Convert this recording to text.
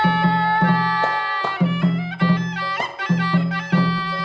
กลับไปก่อนที่สุดท้าย